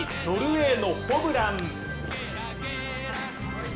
ノルウェーのホブラン。